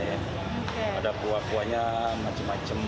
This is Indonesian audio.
ada buah buahnya macam macam gitu